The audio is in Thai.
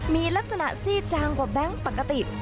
มีลักษณะซีดจางกว่าแบงค์ปกติ